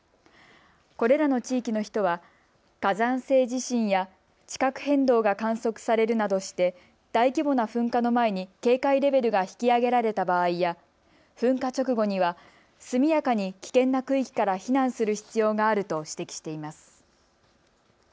これらの地域の人は火山性地震や地殻変動が観測されるなどして大規模な噴火の前に警戒レベルが引き上げられた場合や噴火直後には速やかに危険な区域から避難する必要があると指摘しています。